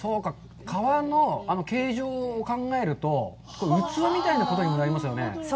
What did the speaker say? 皮の形状を考えると、器みたいなことにもなりますよね。